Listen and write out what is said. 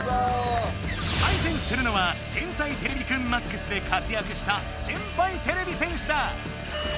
対戦するのは「天才てれびくんＭＡＸ」で活躍した先輩てれび戦士だ！